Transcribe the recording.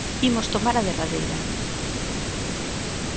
Imos tomar a derradeira!